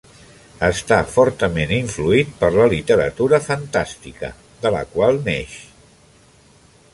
Està fortament influït per la literatura fantàstica, de la qual neix.